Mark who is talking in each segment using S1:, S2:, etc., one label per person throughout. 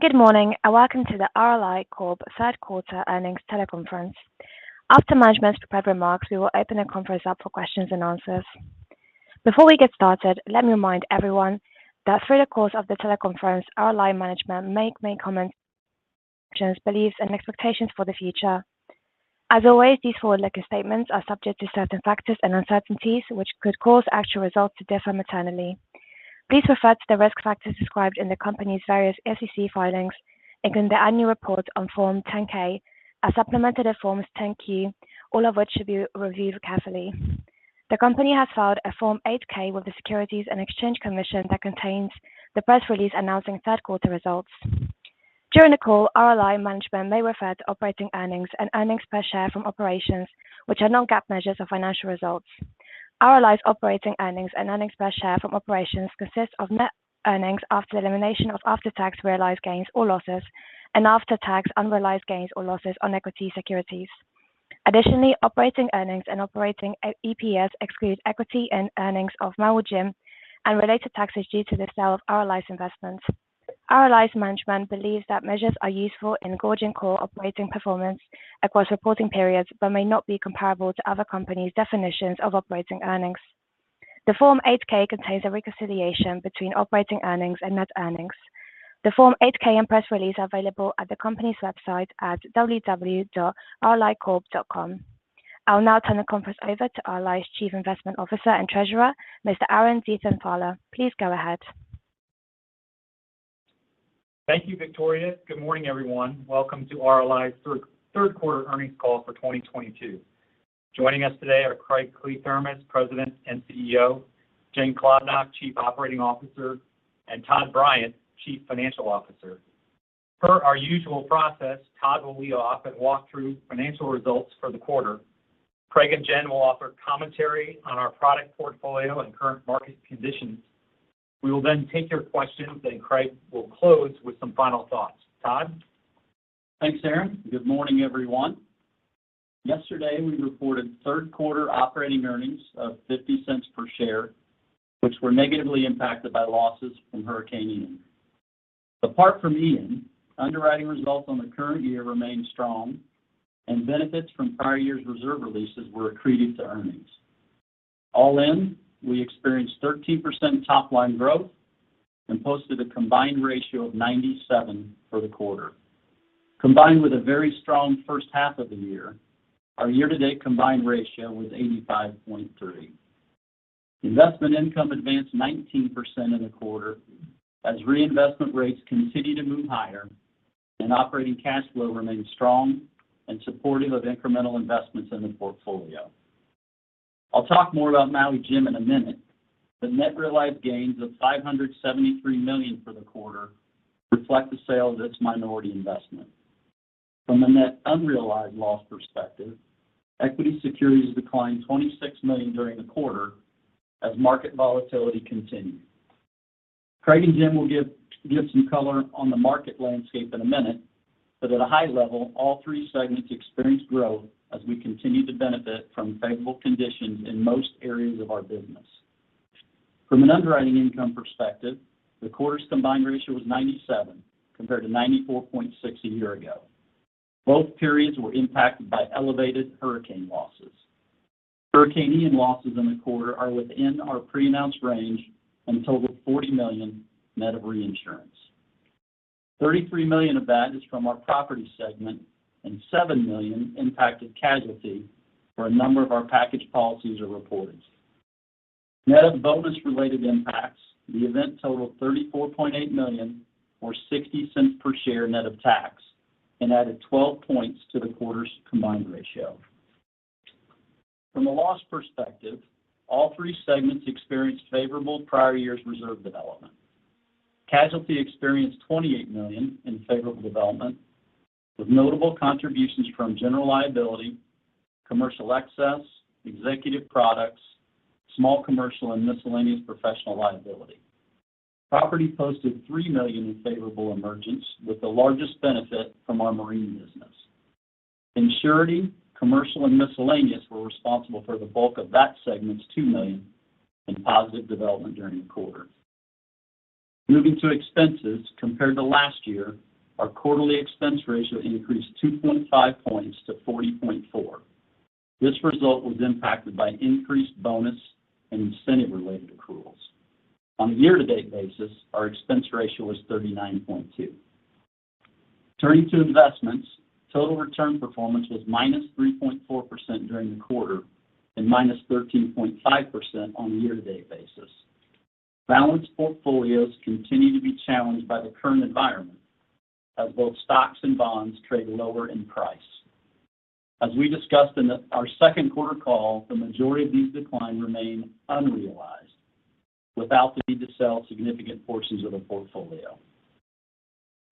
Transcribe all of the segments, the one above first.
S1: Good morning, and welcome to the RLI Corp. Third Quarter Earnings Teleconference. After management's prepared remarks, we will open the conference up for questions and answers. Before we get started, let me remind everyone that through the course of the teleconference, RLI management may make comments, beliefs, and expectations for the future. As always, these forward-looking statements are subject to certain factors and uncertainties which could cause actual results to differ materially. Please refer to the risk factors described in the company's various SEC filings, including the annual report on Form 10-K, as supplemented by Forms 10-Q, all of which should be reviewed carefully. The company has filed a Form 8-K with the Securities and Exchange Commission that contains the press release announcing third quarter results. During the call, RLI management may refer to operating earnings and earnings per share from operations, which are non-GAAP measures of financial results. RLI's operating earnings and earnings per share from operations consist of net earnings after the elimination of after-tax realized gains or losses and after-tax unrealized gains or losses on equity securities. Additionally, operating earnings and operating EPS exclude equity and earnings of Maui Jim and related taxes due to the sale of RLI's investments. RLI's management believes that measures are useful in gauging core operating performance across reporting periods but may not be comparable to other companies' definitions of operating earnings. The Form 8-K contains a reconciliation between operating earnings and net earnings. The Form 8-K and press release are available at the company's website at www.rlicorp.com. I'll now turn the conference over to RLI's Chief Investment Officer and Treasurer, Mr. Aaron Diefenthaler. Please go ahead.
S2: Thank you, Victoria. Good morning, everyone. Welcome to RLI's third quarter earnings call for 2022. Joining us today are Craig Kliethermes, President and CEO; Jennifer Klobnak, Chief Operating Officer; and Todd Bryant, Chief Financial Officer. Per our usual process, Todd will lead off and walk through financial results for the quarter. Craig and Jen will offer commentary on our product portfolio and current market conditions. We will then take your questions, and Craig will close with some final thoughts. Todd? Thanks, Aaron. Good morning, everyone. Yesterday, we reported third quarter operating earnings of $0.50 per share, which were negatively impacted by losses from Hurricane Ian. Apart from Ian, underwriting results on the current year remained strong, and benefits from prior year's reserve releases were accreted to earnings. All in, we experienced 13% top-line growth and posted a combined ratio of 97 for the quarter.
S3: Combined with a very strong first half of the year, our year-to-date combined ratio was 85.3. Investment income advanced 19% in the quarter as reinvestment rates continued to move higher and operating cash flow remained strong and supportive of incremental investments in the portfolio. I'll talk more about Maui Jim in a minute. The net realized gains of $573 million for the quarter reflect the sale of its minority investment. From a net unrealized loss perspective, equity securities declined $26 million during the quarter as market volatility continued. Craig and Jen will give some color on the market landscape in a minute, but at a high level, all three segments experienced growth as we continued to benefit from favorable conditions in most areas of our business. From an underwriting income perspective, the quarter's combined ratio was 97, compared to 94.6 a year ago. Both periods were impacted by elevated hurricane losses. Hurricane Ian losses in the quarter are within our pre-announced range and totaled $40 million net of reinsurance. $33 million of that is from our property segment and $7 million impacted casualty, where a number of our package policies are reported. Net of bonus related impacts, the event totaled $34.8 million or $0.60 per share net of tax and added 12 points to the quarter's combined ratio. From a loss perspective, all three segments experienced favorable prior year's reserve development. Casualty experienced $28 million in favorable development, with notable contributions from general liability, commercial excess, executive products, small commercial, and miscellaneous professional liability. Property posted $3 million in favorable emergence, with the largest benefit from our marine business. Surety, commercial, and miscellaneous were responsible for the bulk of that segment's $2 million in positive development during the quarter. Moving to expenses, compared to last year, our quarterly expense ratio increased 2.5 points to 40.4%. This result was impacted by increased bonus and incentive related accruals. On a year-to-date basis, our expense ratio was 39.2%. Turning to investments, total return performance was -3.4% during the quarter and -13.5% on a year-to-date basis. Balanced portfolios continue to be challenged by the current environment as both stocks and bonds trade lower in price. As we discussed in our second quarter call, the majority of these declines remain unrealized without the need to sell significant portions of the portfolio.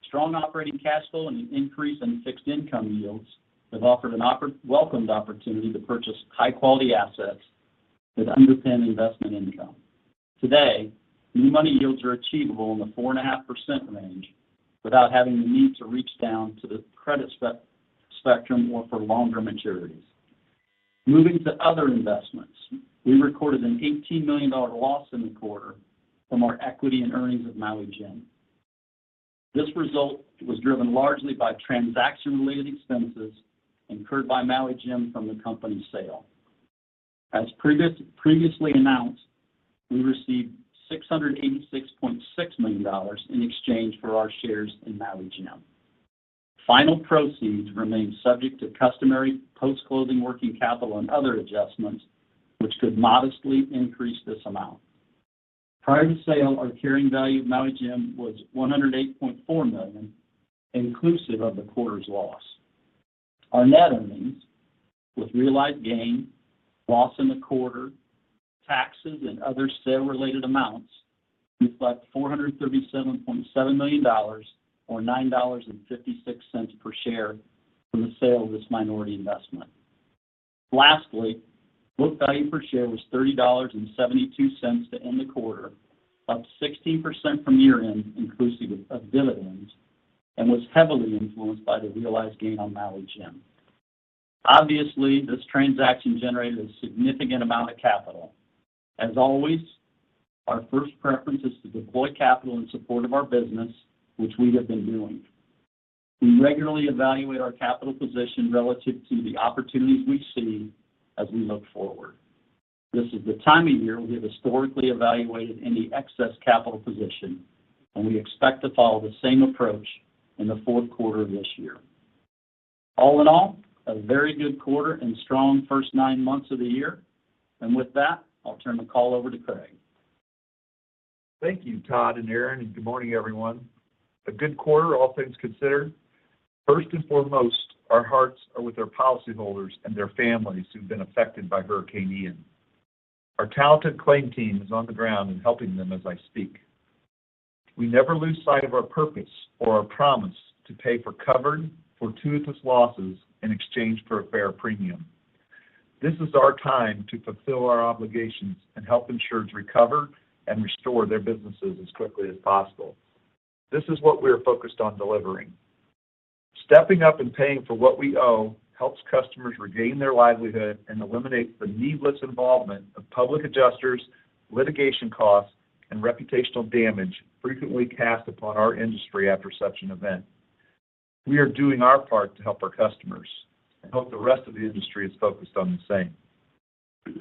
S3: Strong operating cash flow and an increase in fixed income yields have offered a welcomed opportunity to purchase high-quality assets that underpin investment income. Today, new money yields are achievable in the 4.5% range without having the need to reach down to the credit spectrum or for longer maturities. Moving to other investments. We recorded an $18 million loss in the quarter from our equity and earnings of Maui Jim. This result was driven largely by transaction-related expenses incurred by Maui Jim from the company's sale. As previously announced, we received $686.6 million in exchange for our shares in Maui Jim. Final proceeds remain subject to customary post-closing working capital and other adjustments which could modestly increase this amount. Prior to sale, our carrying value of Maui Jim was $108.4 million, inclusive of the quarter's loss. Our net earnings with realized gain, loss in the quarter, taxes and other sale-related amounts reflect $437.7 million or $9.56 per share from the sale of this minority investment. Lastly, book value per share was $30.72 to end the quarter, up 16% from year-end, inclusive of dividends, and was heavily influenced by the realized gain on Maui Jim. Obviously, this transaction generated a significant amount of capital. As always, our first preference is to deploy capital in support of our business, which we have been doing. We regularly evaluate our capital position relative to the opportunities we see as we look forward. This is the time of year we have historically evaluated any excess capital position, and we expect to follow the same approach in the fourth quarter of this year. All in all, a very good quarter and strong first nine months of the year. With that, I'll turn the call over to Craig.
S4: Thank you, Todd Bryant and Aaron Diefenthaler, and good morning, everyone. A good quarter, all things considered. First and foremost, our hearts are with our policyholders and their families who've been affected by Hurricane Ian. Our talented claim team is on the ground and helping them as I speak. We never lose sight of our purpose or our promise to pay for covered, fortuitous losses in exchange for a fair premium. This is our time to fulfill our obligations and help insureds recover and restore their businesses as quickly as possible. This is what we are focused on delivering. Stepping up and paying for what we owe helps customers regain their livelihood and eliminates the needless involvement of public adjusters, litigation costs, and reputational damage frequently cast upon our industry after such an event. We are doing our part to help our customers and hope the rest of the industry is focused on the same.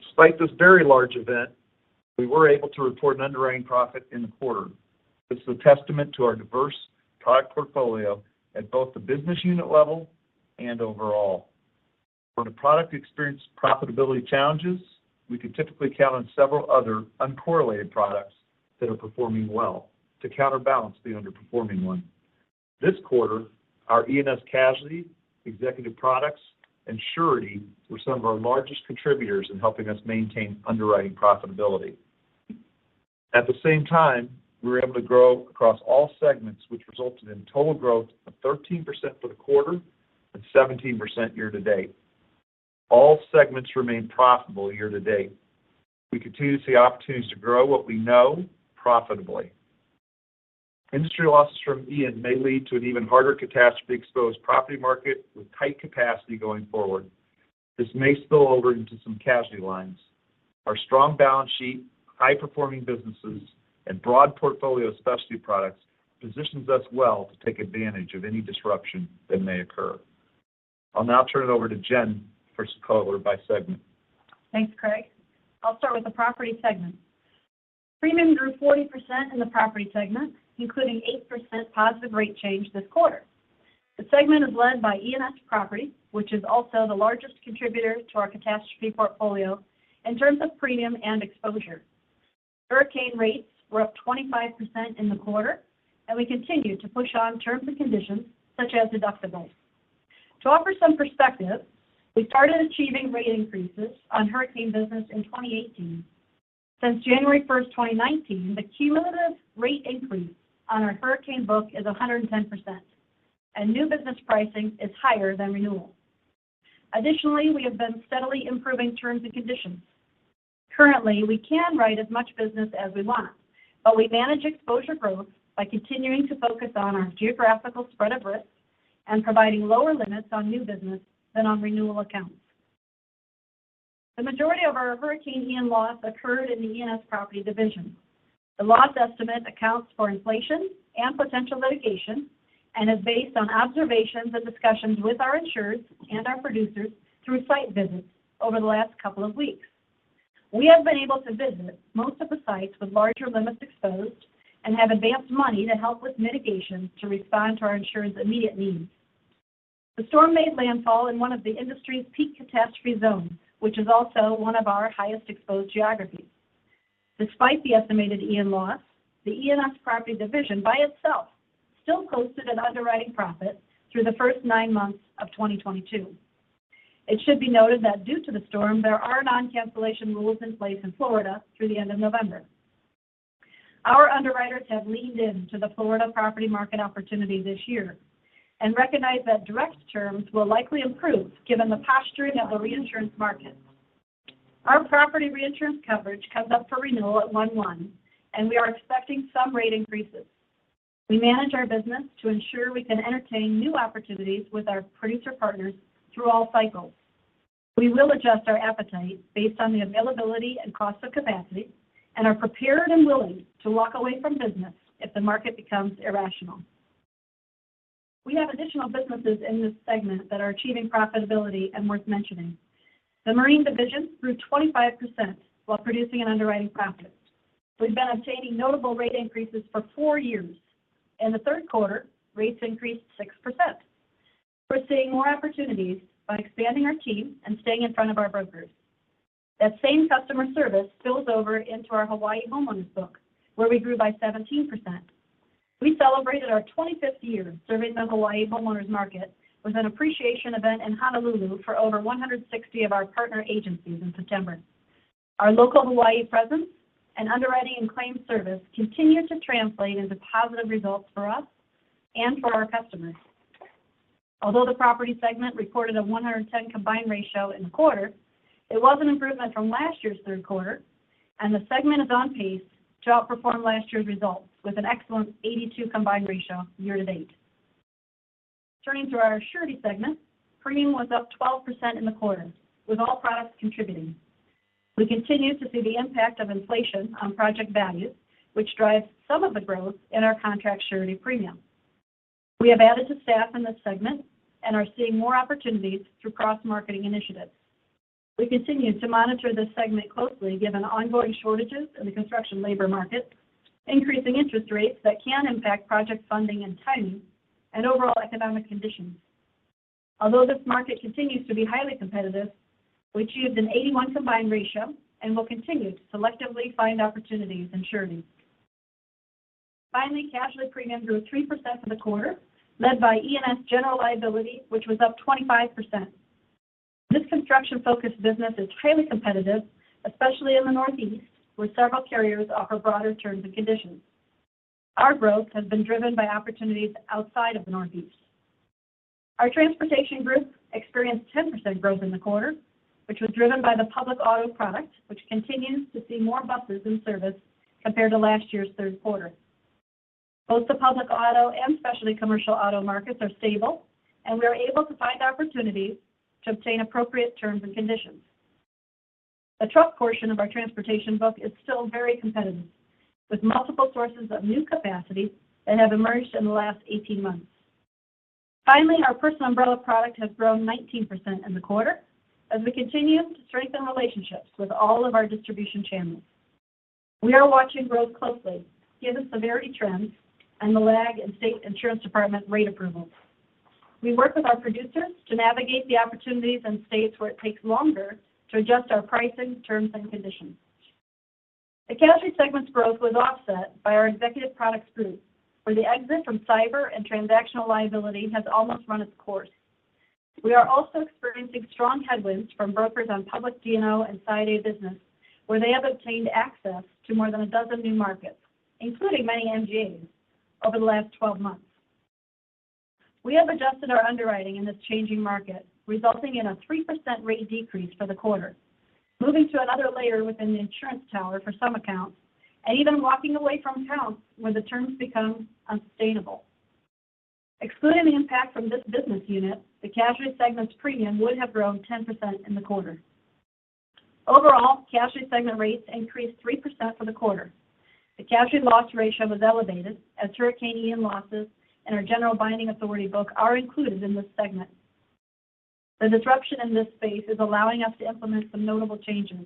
S4: Despite this very large event, we were able to report an underwriting profit in the quarter. This is a testament to our diverse product portfolio at both the business unit level and overall. When a product experienced profitability challenges, we could typically count on several other uncorrelated products that are performing well to counterbalance the underperforming one. This quarter, our E&S casualty, executive products, and surety were some of our largest contributors in helping us maintain underwriting profitability. At the same time, we were able to grow across all segments, which resulted in total growth of 13% for the quarter and 17% year-to-date. All segments remain profitable year-to-date. We continue to see opportunities to grow what we know profitably. Industry losses from Hurricane Ian may lead to an even harder catastrophe-exposed property market with tight capacity going forward. This may spill over into some casualty lines. Our strong balance sheet, high-performing businesses, and broad portfolio of specialty products positions us well to take advantage of any disruption that may occur. I'll now turn it over to Jen for a color by segment.
S5: Thanks, Craig. I'll start with the property segment. Premium grew 40% in the property segment, including 8% positive rate change this quarter. The segment is led by E&S Property, which is also the largest contributor to our catastrophe portfolio in terms of premium and exposure. Hurricane rates were up 25% in the quarter, and we continue to push on terms and conditions such as deductibles. To offer some perspective, we started achieving rate increases on hurricane business in 2018. Since January 1, 2019, the cumulative rate increase on our hurricane book is 110%, and new business pricing is higher than renewal. Additionally, we have been steadily improving terms and conditions. Currently, we can write as much business as we want, but we manage exposure growth by continuing to focus on our geographical spread of risk and providing lower limits on new business than on renewal accounts. The majority of our Hurricane Ian loss occurred in the E&S Property division. The loss estimate accounts for inflation and potential litigation and is based on observations and discussions with our insureds and our producers through site visits over the last couple of weeks. We have been able to visit most of the sites with larger limits exposed and have advanced money to help with mitigation to respond to our insured's immediate needs. The storm made landfall in one of the industry's peak catastrophe zones, which is also one of our highest exposed geographies. Despite the estimated Ian loss, the E&S Property division by itself still posted an underwriting profit through the first nine months of 2022. It should be noted that due to the storm, there are non-cancellation rules in place in Florida through the end of November. Our underwriters have leaned into the Florida property market opportunity this year and recognize that direct terms will likely improve given the posturing of the reinsurance market. Our property reinsurance coverage comes up for renewal at 1/1, and we are expecting some rate increases. We manage our business to ensure we can entertain new opportunities with our producer partners through all cycles. We will adjust our appetite based on the availability and cost of capacity and are prepared and willing to walk away from business if the market becomes irrational. We have additional businesses in this segment that are achieving profitability and worth mentioning. The marine division grew 25% while producing an underwriting profit. We've been obtaining notable rate increases for 4 years. In the third quarter, rates increased 6%. We're seeing more opportunities by expanding our team and staying in front of our brokers. That same customer service spills over into our Hawaii homeowners book, where we grew by 17%. We celebrated our 25th year serving the Hawaii homeowners market with an appreciation event in Honolulu for over 160 of our partner agencies in September. Our local Hawaii presence and underwriting and claims service continue to translate into positive results for us and for our customers. Although the property segment reported a 110 combined ratio in the quarter, it was an improvement from last year's third quarter, and the segment is on pace to outperform last year's results with an excellent 82 combined ratio year to date. Turning to our surety segment, premium was up 12% in the quarter, with all products contributing. We continue to see the impact of inflation on project values, which drives some of the growth in our contract surety premium. We have added to staff in this segment and are seeing more opportunities through cross-marketing initiatives. We continue to monitor this segment closely, given ongoing shortages in the construction labor market, increasing interest rates that can impact project funding and timing, and overall economic conditions. Although this market continues to be highly competitive, we achieved an 81 combined ratio and will continue to selectively find opportunities in surety. Finally, casualty premium grew 3% for the quarter, led by E&S general liability, which was up 25%. This construction-focused business is highly competitive, especially in the Northeast, where several carriers offer broader terms and conditions. Our growth has been driven by opportunities outside of the Northeast. Our transportation group experienced 10% growth in the quarter, which was driven by the public auto product, which continues to see more buses in service compared to last year's third quarter. Both the public auto and specialty commercial auto markets are stable, and we are able to find opportunities to obtain appropriate terms and conditions. The truck portion of our transportation book is still very competitive, with multiple sources of new capacity that have emerged in the last 18 months. Finally, our personal umbrella product has grown 19% in the quarter as we continue to strengthen relationships with all of our distribution channels. We are watching growth closely, given severity trends and the lag in state insurance department rate approvals. We work with our producers to navigate the opportunities in states where it takes longer to adjust our pricing, terms, and conditions. The casualty segment's growth was offset by our executive products group, where the exit from cyber and transactional liability has almost run its course. We are also experiencing strong headwinds from brokers on public D&O and Side A business, where they have obtained access to more than a dozen new markets, including many MGAs over the last 12 months. We have adjusted our underwriting in this changing market, resulting in a 3% rate decrease for the quarter, moving to another layer within the insurance tower for some accounts, and even walking away from accounts where the terms become unsustainable. Excluding the impact from this business unit, the casualty segment's premium would have grown 10% in the quarter. Overall, casualty segment rates increased 3% for the quarter. The casualty loss ratio was elevated as Hurricane Ian losses and our General Binding Authority book are included in this segment. The disruption in this space is allowing us to implement some notable changes.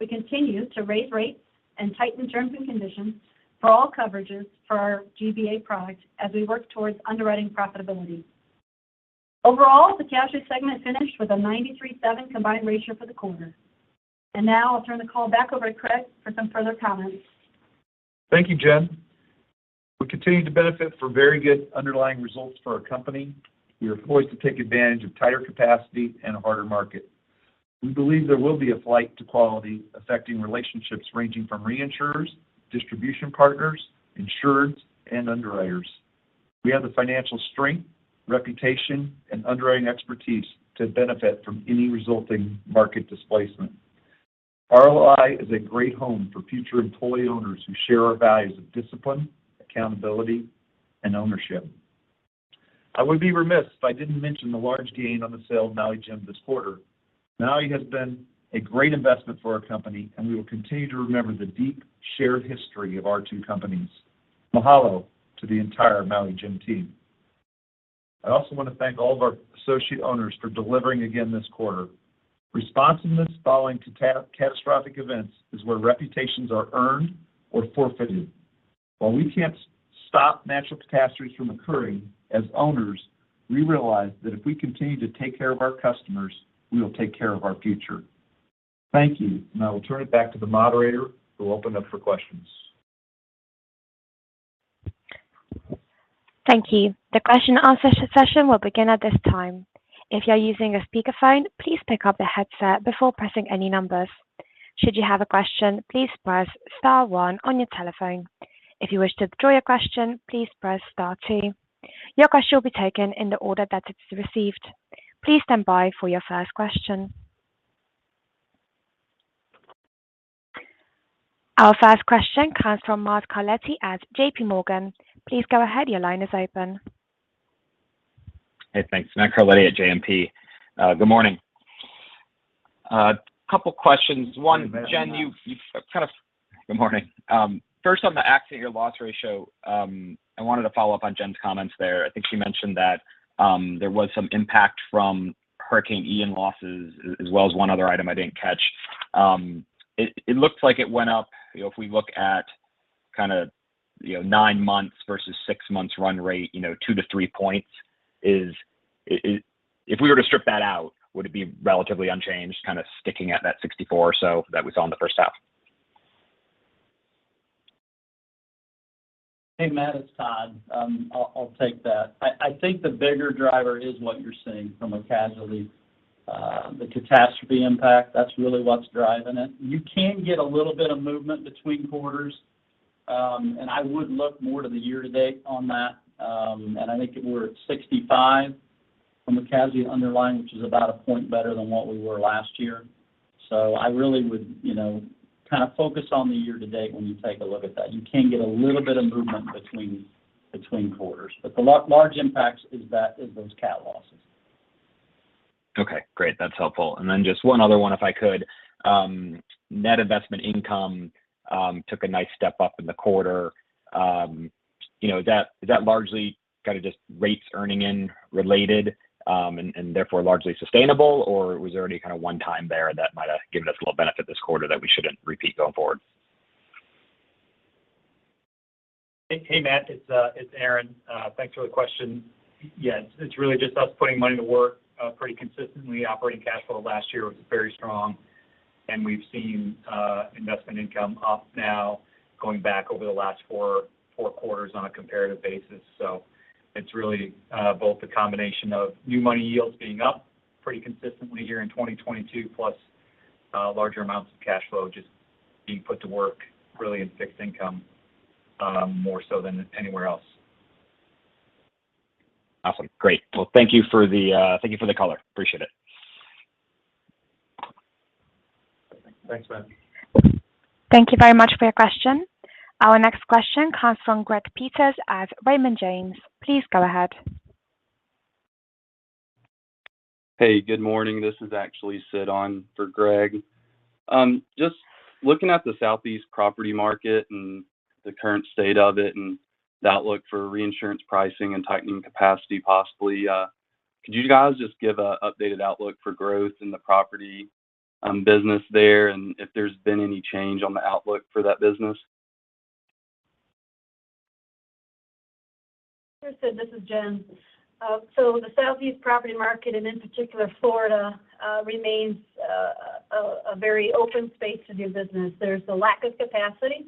S5: We continue to raise rates and tighten terms and conditions for all coverages for our GBA product as we work towards underwriting profitability. Overall, the casualty segment finished with a 93.7 combined ratio for the quarter. Now I'll turn the call back over to Craig for some further comments.
S4: Thank you, Jen. We continue to benefit from very good underlying results for our company. We are poised to take advantage of tighter capacity and a harder market. We believe there will be a flight to quality affecting relationships ranging from reinsurers, distribution partners, insureds, and underwriters. We have the financial strength, reputation, and underwriting expertise to benefit from any resulting market displacement. RLI is a great home for future employee owners who share our values of discipline, accountability, and ownership. I would be remiss if I didn't mention the large gain on the sale of Maui Jim this quarter. Maui has been a great investment for our company, and we will continue to remember the deep shared history of our two companies. Mahalo to the entire Maui Jim team. I also want to thank all of our associate owners for delivering again this quarter. Responsiveness following catastrophic events is where reputations are earned or forfeited. While we can't stop natural catastrophes from occurring, as owners, we realize that if we continue to take care of our customers, we will take care of our future. Thank you. Now I will turn it back to the moderator, who will open up for questions.
S1: Thank you. The question and answer session will begin at this time. If you're using a speakerphone, please pick up the headset before pressing any numbers. Should you have a question, please press star one on your telephone. If you wish to withdraw your question, please press star two. Your question will be taken in the order that it's received. Please stand by for your first question. Our first question comes from Matthew Carletti at JMP Securities. Please go ahead. Your line is open.
S6: Hey, thanks. Matthew Carletti at JMP. Good morning. Couple questions. One, Jen, you've kind of...
S3: Good morning, Matt.
S6: Good morning. First on the accident year loss ratio, I wanted to follow up on Jen's comments there. I think she mentioned that there was some impact from Hurricane Ian losses as well as one other item I didn't catch. It looks like it went up, you know, if we look at kinda, you know, 9 months versus 6 months run rate, you know, 2-3 points. If we were to strip that out, would it be relatively unchanged, kind of sticking at that 64 or so that we saw in the first half?
S3: Hey, Matt, it's Todd. I'll take that. I think the bigger driver is what you're seeing from a casualty, the catastrophe impact. That's really what's driving it. You can get a little bit of movement between quarters, and I would look more to the year to date on that. I think that we're at 65% from a casualty underlying, which is about a point better than what we were last year. So I really would, you know, kind of focus on the year to date when you take a look at that. You can get a little bit of movement between quarters, but the large impacts is that, those cat losses.
S6: Okay, great. That's helpful. Just one other one, if I could. Net investment income took a nice step up in the quarter. You know, is that largely kinda just rates and reinvestment related, and therefore largely sustainable, or was there any kinda one-time there that might have given us a little benefit this quarter that we shouldn't repeat going forward?
S2: Hey, Matt, it's Aaron. Thanks for the question. Yes, it's really just us putting money to work pretty consistently. Operating cash flow last year was very strong, and we've seen investment income up now going back over the last four quarters on a comparative basis. It's really both a combination of new money yields being up pretty consistently here in 2022, plus larger amounts of cash flow just being put to work really in fixed income, more so than anywhere else.
S6: Awesome. Great. Well, thank you for the color. Appreciate it.
S2: Thanks, Matt.
S1: Thank you very much for your question. Our next question comes from Greg Peters at Raymond James. Please go ahead.
S7: Hey, good morning. This is actually Sid on for Greg. Just looking at the Southeast property market and the current state of it and the outlook for reinsurance pricing and tightening capacity possibly, could you guys just give an updated outlook for growth in the property business there and if there's been any change on the outlook for that business?
S5: Sure, Sid. This is Jen. The Southeast property market and in particular Florida remains a very open space to do business. There's a lack of capacity,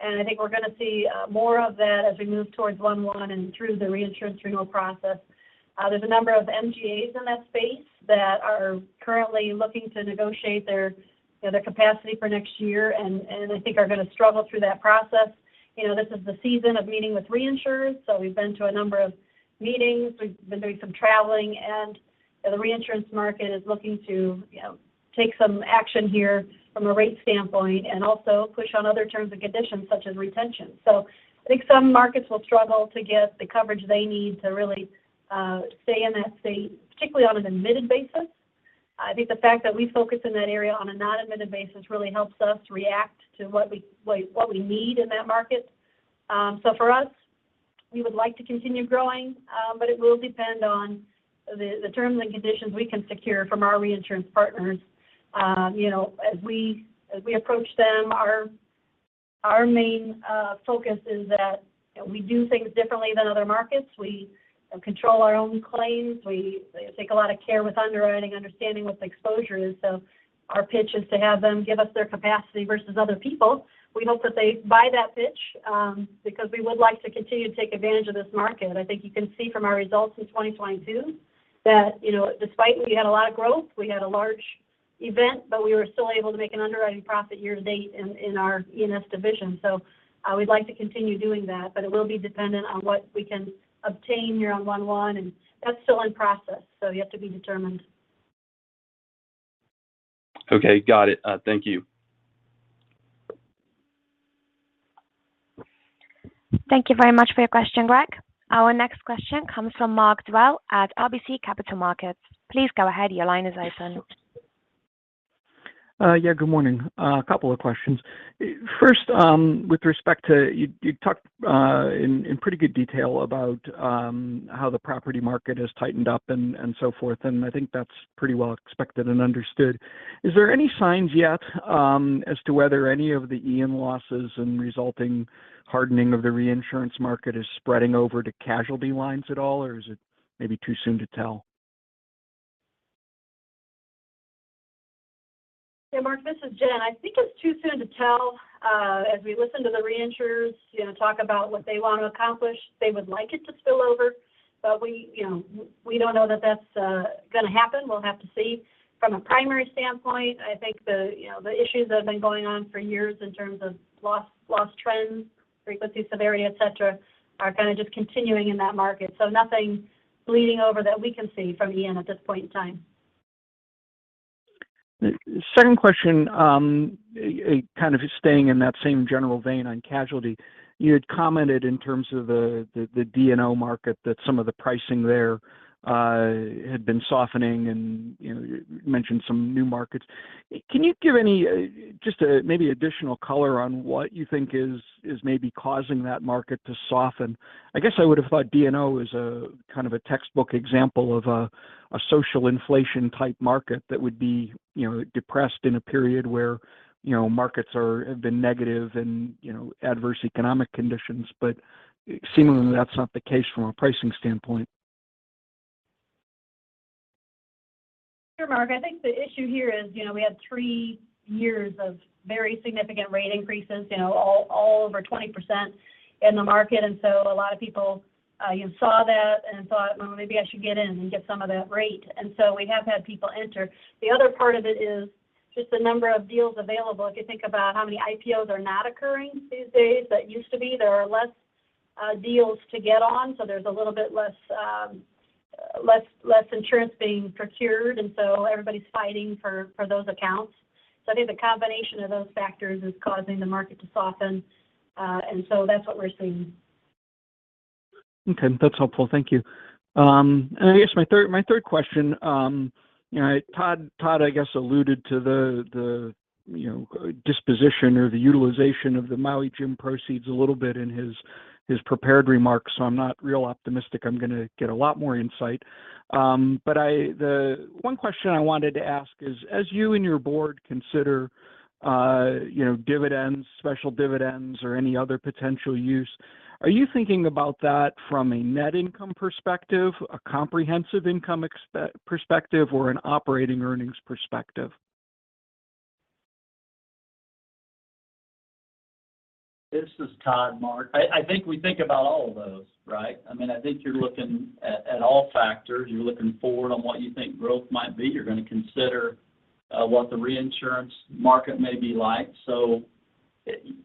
S5: and I think we're gonna see more of that as we move towards 1/1 and through the reinsurance renewal process. There's a number of MGAs in that space that are currently looking to negotiate their, you know, their capacity for next year and I think are gonna struggle through that process. You know, this is the season of meeting with reinsurers, so we've been to a number of meetings. We've been doing some traveling. You know, the reinsurance market is looking to take some action here from a rate standpoint and also push on other terms and conditions such as retention. I think some markets will struggle to get the coverage they need to really stay in that state, particularly on an admitted basis. I think the fact that we focus in that area on a non-admitted basis really helps us react to what we need in that market. For us, we would like to continue growing, but it will depend on the terms and conditions we can secure from our reinsurance partners. You know, as we approach them, our main focus is that, you know, we do things differently than other markets. We control our own claims. We take a lot of care with underwriting, understanding what the exposure is. Our pitch is to have them give us their capacity versus other people. We hope that they buy that pitch, because we would like to continue to take advantage of this market. I think you can see from our results in 2022 that, you know, despite we had a lot of growth, we had a large event, but we were still able to make an underwriting profit year to date in our E&S division. We'd like to continue doing that, but it will be dependent on what we can obtain here on 1/1, and that's still in process, yet to be determined.
S7: Okay. Got it. Thank you.
S1: Thank you very much for your question, Greg. Our next question comes from Mark Dwelle at RBC Capital Markets. Please go ahead. Your line is open.
S8: Yeah, good morning. A couple of questions. First, with respect to you talked in pretty good detail about how the property market has tightened up and so forth, and I think that's pretty well expected and understood. Is there any signs yet as to whether any of the Ian losses and resulting hardening of the reinsurance market is spreading over to casualty lines at all, or is it maybe too soon to tell?
S5: Yeah, Mark, this is Jen. I think it's too soon to tell. As we listen to the reinsurers, you know, talk about what they want to accomplish, they would like it to spill over. But we, you know, we don't know that that's gonna happen. We'll have to see. From a primary standpoint, I think the, you know, the issues that have been going on for years in terms of loss trends, frequency, severity, et cetera, are kind of just continuing in that market. Nothing bleeding over that we can see from Ian at this point in time.
S8: Second question, kind of staying in that same general vein on casualty. You had commented in terms of the D&O market that some of the pricing there had been softening and, you know, you mentioned some new markets. Can you give any just maybe additional color on what you think is maybe causing that market to soften? I guess I would have thought D&O as a kind of a textbook example of a social inflation type market that would be, you know, depressed in a period where, you know, markets are have been negative and, you know, adverse economic conditions, but seemingly that's not the case from a pricing standpoint.
S5: Sure, Mark. I think the issue here is, you know, we had three years of very significant rate increases, you know, all over 20% in the market. A lot of people saw that and thought, "Well, maybe I should get in and get some of that rate." We have had people enter. The other part of it is just the number of deals available. If you think about how many IPOs are not occurring these days, there are less deals to get on. There's a little bit less insurance being procured, and everybody's fighting for those accounts. I think the combination of those factors is causing the market to soften, and that's what we're seeing.
S8: Okay. That's helpful. Thank you. And I guess my third question, you know, Todd, I guess alluded to the, you know, disposition or the utilization of the Maui Jim proceeds a little bit in his prepared remarks, so I'm not real optimistic I'm gonna get a lot more insight. But the one question I wanted to ask is, as you and your board consider, you know, dividends, special dividends or any other potential use, are you thinking about that from a net income perspective, a comprehensive income perspective, or an operating earnings perspective?
S3: This is Todd, Mark. I think we think about all of those, right? I mean, I think you're looking at all factors. You're looking forward on what you think growth might be. You're gonna consider what the reinsurance market may be like.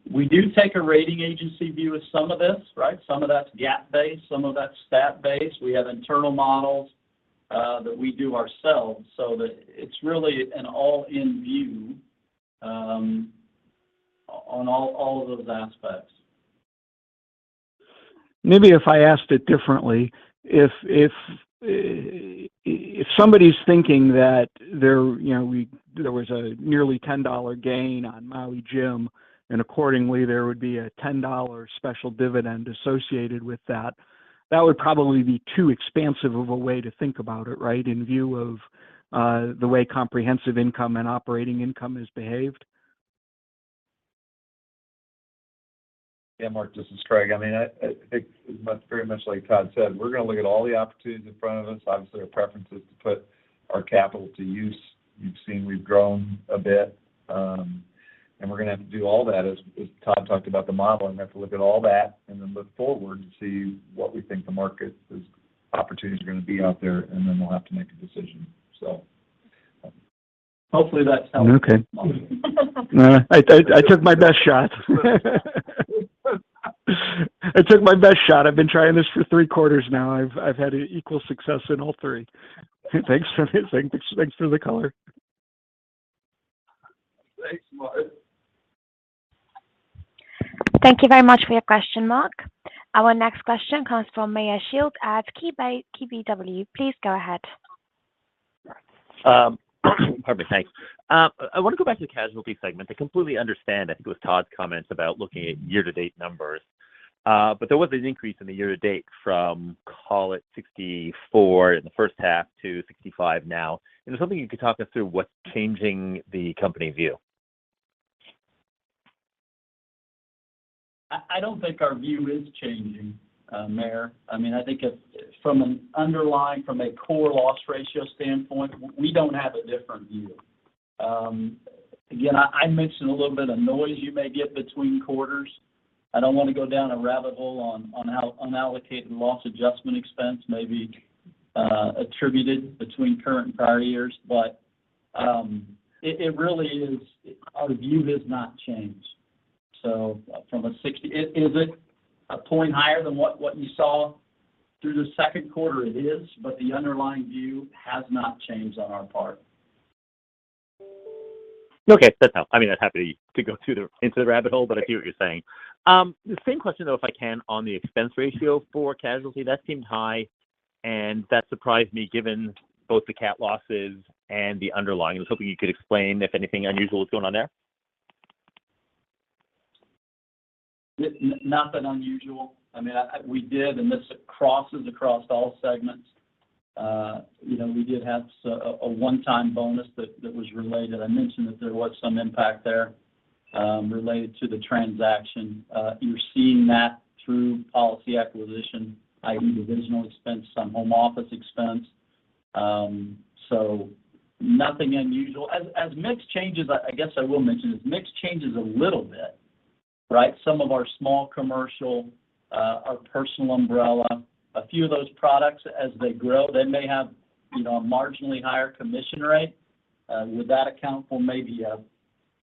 S3: We do take a rating agency view of some of this, right? Some of that's GAAP-based, some of that's stat-based. We have internal models that we do ourselves so that it's really an all-in view on all of those aspects.
S8: Maybe if I asked it differently, if somebody's thinking that there, you know, there was a nearly $10 gain on Maui Jim, and accordingly, there would be a $10 special dividend associated with that would probably be too expansive of a way to think about it, right? In view of the way comprehensive income and operating income has behaved.
S4: Yeah, Mark, this is Craig. I mean, I think it's very much like Todd said. We're gonna look at all the opportunities in front of us. Obviously, our preference is to put our capital to use. You've seen we've grown a bit, and we're gonna have to do all that as Todd talked about the model, and we have to look at all that and then look forward to see what we think the market is, opportunities are gonna be out there, and then we'll have to make a decision. Hopefully that helps.
S8: Okay. No, no. I took my best shot. I took my best shot. I've been trying this for three quarters now. I've had equal success in all three. Thanks for the color.
S3: Thanks, Mark.
S1: Thank you very much for your question, Mark. Our next question comes from Meyer Shields at KBW. Please go ahead.
S9: Pardon me. Thanks. I want to go back to the casualty segment. I completely understand, I think it was Todd's comment about looking at year-to-date numbers. But there was an increase in the year-to-date from, call it 64% in the first half to 65% now. If there's something you could talk us through what's changing the company view?
S3: I don't think our view is changing, Meyer. I mean, I think it's from an underlying, from a core loss ratio standpoint, we don't have a different view. Again, I mentioned a little bit of noise you may get between quarters. I don't want to go down a rabbit hole on how unallocated and loss adjustment expense may be attributed between current and prior years. It really is our view has not changed. So from a 60. Is it a point higher than what you saw through the second quarter? It is, but the underlying view has not changed on our part.
S9: Okay. That helps. I mean, I'm happy to go into the rabbit hole, but I hear what you're saying. The same question, though, if I can, on the expense ratio for casualty. That seemed high, and that surprised me given both the cat losses and the underlying. I was hoping you could explain if anything unusual is going on there.
S3: Nothing unusual. I mean, we did, and this crosses across all segments. You know, we did have a one-time bonus that was related. I mentioned that there was some impact there related to the transaction. You're seeing that through policy acquisition, i.e. divisional expense, some home office expense. Nothing unusual. As mix changes, I guess I will mention this, mix changes a little bit, right? Some of our small commercial, our personal umbrella, a few of those products as they grow, they may have, you know, a marginally higher commission rate. Would that account for maybe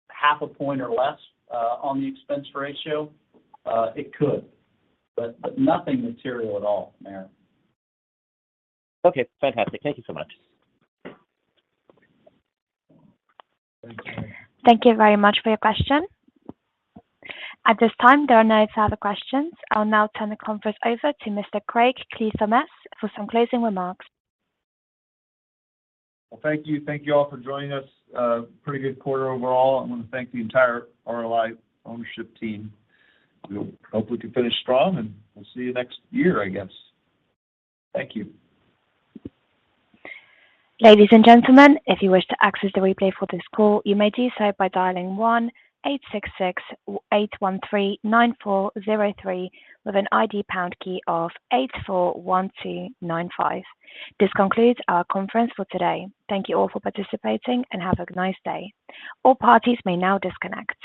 S3: half a point or less on the expense ratio? It could, but nothing material at all, Meyer.
S9: Okay. Fantastic. Thank you so much.
S3: Thank you.
S1: Thank you very much for your question. At this time, there are no further questions. I'll now turn the conference over to Mr. Craig Kliethermes for some closing remarks.
S4: Well, thank you. Thank you all for joining us. A pretty good quarter overall. I want to thank the entire RLI ownership team. We hope we can finish strong, and we'll see you next year, I guess. Thank you.
S1: Ladies and gentlemen, if you wish to access the replay for this call, you may do so by dialing 1-866-813-9403 with an ID pound key of 841295. This concludes our conference for today. Thank you all for participating and have a nice day. All parties may now disconnect.